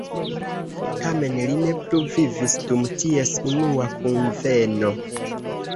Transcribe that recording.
Tamen li ne plu vivis dum ties unua kunveno.